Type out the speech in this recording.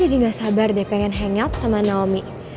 gue jadi gak sabar deh pengen hangout sama naomi